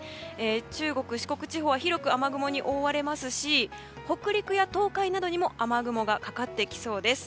中国・四国地方は広く雨雲に覆われますし北陸や東海などにも雨雲がかかってきそうです。